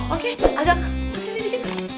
oke agak kesini dikit